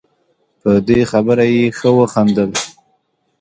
په دې خبره یې ښه وخندل.